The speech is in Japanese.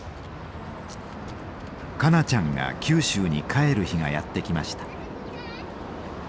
香菜ちゃんが九州に帰る日がやって来ました。